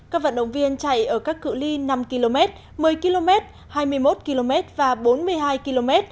các vận động viên chạy ở các cự li năm km một mươi km hai mươi một km và bốn mươi hai km